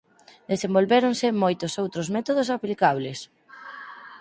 Desenvolvéronse moitos outros métodos aplicables.